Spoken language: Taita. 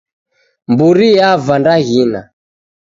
Mburi yava ndaghina